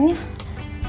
ga enak ya